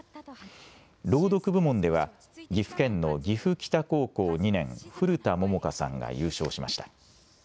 朗読部門では岐阜県の岐阜北高校２年、古田桃香さんが優勝しました。